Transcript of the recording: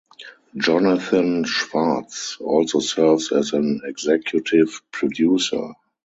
Jonathan Schwartz also serves as an executive producer.